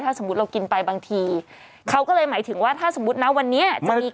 ถ้าสมมติเรากินไปบางทีเขาก็เลยหมายถึงว่าถ้าสมมติวันนี้จะมีการทำ